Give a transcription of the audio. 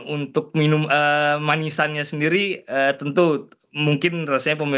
untuk panasnya pun mungkin dirasa juru direnya